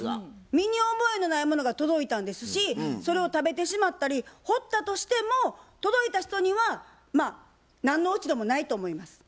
身に覚えのないものが届いたんですしそれを食べてしまったりほったとしても届いた人にはまあ何の落ち度もないと思います。